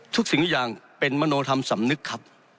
สิ่งทุกอย่างเป็นมโนธรรมสำนึกครับ